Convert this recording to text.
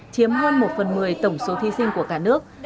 chiếm hơn một phần một mươi tổng số thí sinh của cả nước